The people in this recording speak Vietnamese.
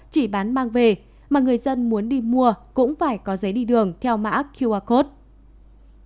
chỉ bán mang về mà người dân muốn đi mua cũng phải có giấy đi đường theo mã qr code